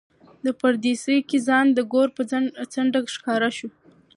په پردېسۍ کې ځان د ګور په څنډه ښکاره شو.